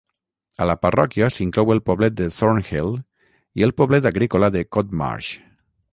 A la parròquia s"inclou el poblet de Thornhill i el poblet agrícola de Cotmarsh.